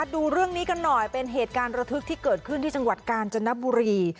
ดูเรื่องนี้กันหน่อยเป็นเหตุการณ์ระทึกที่เกิดขึ้นที่จังหวัดกาญจนบุรี